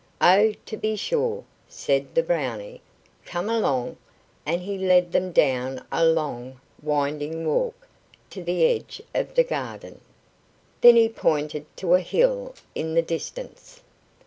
"Oh, to be sure," said the Brownie. "Come along," and he led them down a long, winding walk, to the edge of the garden. Then he pointed to a hill in the distance.